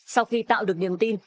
sau khi tạo được niềm tin